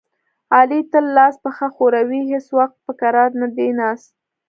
علي تل لاس پښه ښوروي، هېڅ وخت په کرار نه دی ناست.